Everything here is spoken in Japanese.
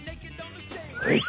はい！